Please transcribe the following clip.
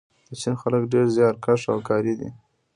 د چین خلک ډېر زیارکښ او کاري دي.